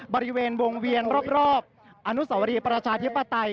บริเวณวงเวียนรอบอนุสวรีประชาธิปไตย